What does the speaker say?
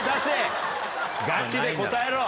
ガチで答えろ。